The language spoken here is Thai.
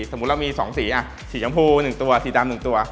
สมมุติเรามี๒สีสีชมพู๑ตัวสีดำ๑ตัว